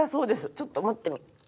ちょっと持って。